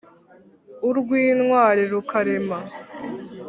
Urw' intwari rukarema;